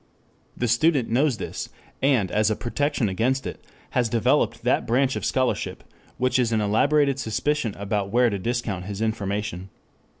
The student knows this, and, as a protection against it, has developed that branch of scholarship which is an elaborated suspicion about where to discount his information.